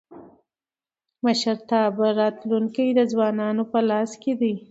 د مشرتابه راتلونکی د ځوانانو په لاس کي دی.